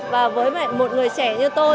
và với một người trẻ như tôi